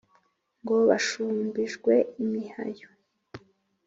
ngo bashumbijwe imihayo.